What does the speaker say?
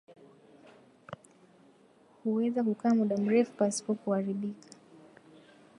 Huweza kukaa muda mrefu pasipo kuharibika.